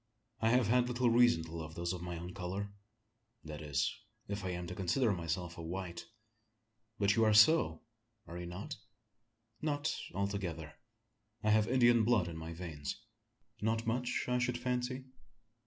I have had little reason to love those of my own colour that is, if I am to consider myself a white." "But you are so, are you not?" "Not altogether. I have Indian blood in my veins." "Not much, I should fancy?"